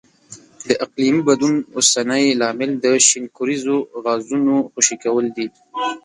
د اقلیمي بدلون اوسنی لامل د شینکوریزو غازونو خوشې کول دي.